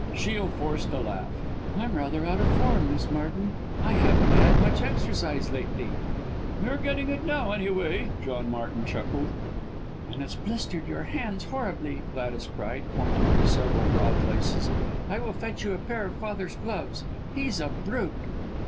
Shiel forced a laugh. "I'm rather out of form, Miss Martin, I haven't had much exercise lately." "You're getting it now anyway," John Martin chuckled. "And it's blistered your hands horribly!" Gladys cried, pointing to several raw places. "I will fetch you a pair of father's gloves he's a brute!"